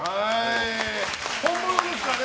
本物ですからね。